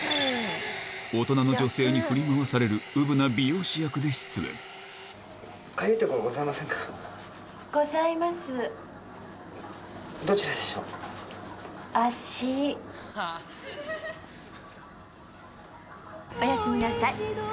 大人の女性に振り回されるうぶな美容師役で出演おやすみなさい。